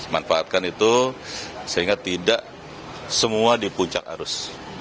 manfaatkan itu sehingga tidak semua di puncak arus